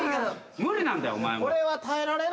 無理なんだよお前も。